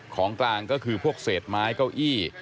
ของกลางก็คือพวกเศษไม้เก้าอี้